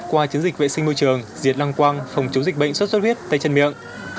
qua chiến dịch vệ sinh môi trường diệt lăng quang phòng chống dịch bệnh sốt xuất huyết tay chân miệng